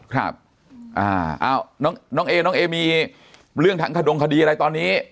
ครับน้องเอน้องเอมีเรื่องทั้งขดงคดีอะไรตอนนี้